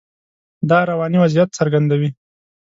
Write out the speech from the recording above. دا رواني وضعیت څرګندوي.